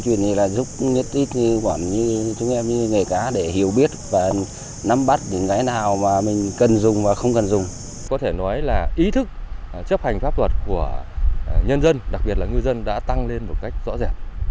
chấp hành pháp luật của nhân dân đặc biệt là ngư dân đã tăng lên một cách rõ rẻ